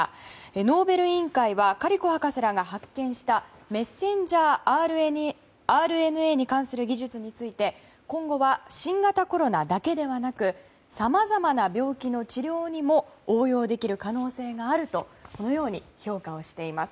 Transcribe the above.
ノーベル委員会はカリコ博士らが発見したメッセンジャーＲＮＡに関する技術について今後は新型コロナだけでなくさまざまな病気の治療にも応用できる可能性があるとこのように評価しています。